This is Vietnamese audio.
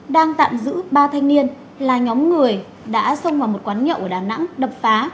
đang tạm giữ ba thanh niên là nhóm người đã xông vào một quán nhậu ở đà nẵng đập phá